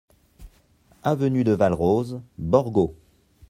Avenue de Valrose, Borgo